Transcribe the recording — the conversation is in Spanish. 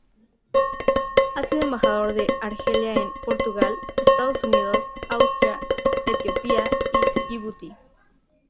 Ha sido embajador de Argelia en Portugal, Estados Unidos, Austria, Etiopía y Yibuti.